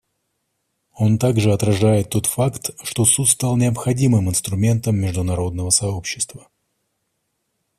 Он также отражает тот факт, что Суд стал необходимым инструментом международного сообщества.